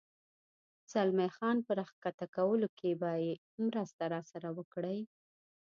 زلمی خان په را کښته کولو کې به یې مرسته راسره وکړې؟